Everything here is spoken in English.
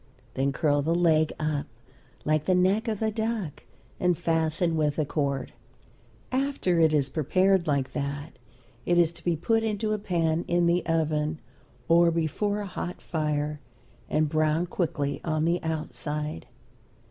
Then curl the leg up like the neck of a duck and fasten with a cord. After it is prepared like that it is to be put into a pan in the oven, or before a hot fire, and browned quickly on the outside.